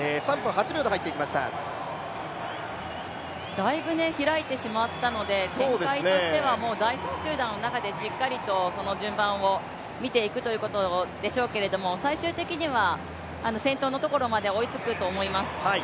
だいぶ開いてしまったので、展開としては第３集団の中でしっかりとその順番を見ていくということでしょうけれども、最終的には先頭のところまで追いつくと思います。